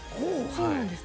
そうなんですか。